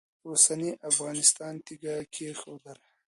د اوسني افغانستان تیږه کښېښودله.